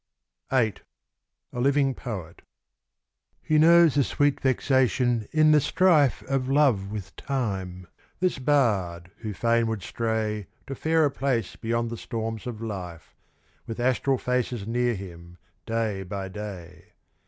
VIII A Living Poet He knows the sweet vexation in the strife Of Love with Time, this bard who fain would stray To fairer place beyond the storms of life, With astral faces near him day by day.